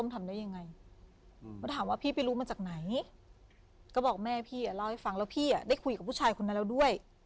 แต่คราวไหมพี่เล่าให้ฟังแล้วได้คุยกับผู้ชายคนนั้นแล้ว